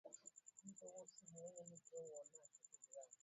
huu uwezeshaji kwa mfano tunavotoa hata nafasi kwa wanawake